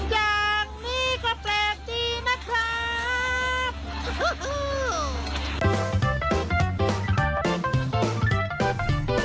อย่างนี้ก็แปลกดีนะครับ